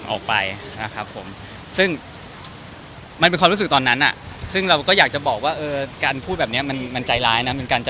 ออกไปนะครับผมซึ่งมันเป็นความรู้สึกตอนนั้นซึ่งเราก็อยากจะบอกว่าเออการพูดแบบนี้มันใจร้ายนะ